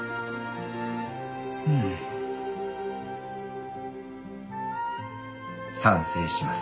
うん。賛成します。